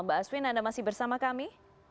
mbak aswin anda masih bersama kami